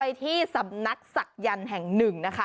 ไปที่สำนักศักยันต์แห่งหนึ่งนะคะ